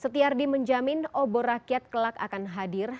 setiardi menjamin obor rakyat kelak akan hadir